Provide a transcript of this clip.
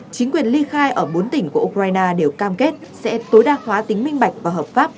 chính quyền ly khai ở bốn tỉnh của ukraine đều cam kết sẽ tối đa hóa tính minh bạch và hợp pháp